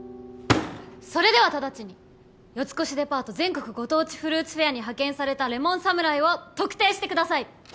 それでは直ちに四越デパート「全国ご当地フルーツフェア」に派遣されたレモン侍を特定してください。